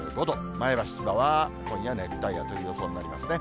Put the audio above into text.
前橋、千葉は今夜熱帯夜という予想になりますね。